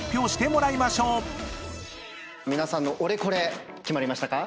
皆さんのオレコレ決まりましたか？